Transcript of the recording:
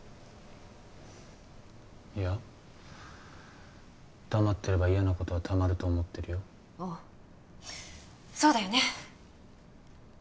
いや黙ってれば嫌なことはたまると思ってるよおうそうだよね